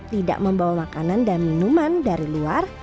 tidak membawa makanan dan minuman dari luar